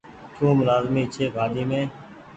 ٿوم لآزمي ڇي ڀآڃي مين۔